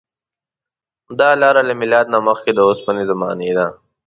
دا لاره له میلاد نه مخکې د اوسپنې زمانې ده.